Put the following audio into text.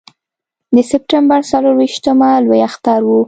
د سپټمبر څلرویشتمه لوی اختر و.